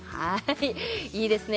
いいですね